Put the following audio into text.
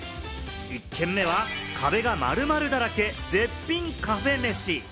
１軒目は、壁が〇〇だらけ、絶品カフェめし。